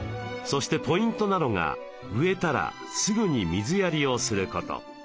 そしてポイントなのが植えたらすぐに水やりをすること。